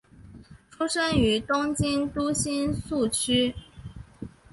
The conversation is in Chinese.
出身于东京都新宿区。